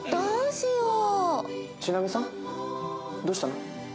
どうしたの？